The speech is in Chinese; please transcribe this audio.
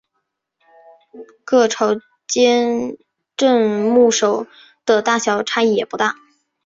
各朝间镇墓兽的大小差异也不大。